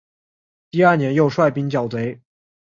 第二年又率兵剿贼。